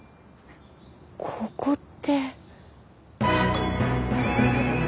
ここって。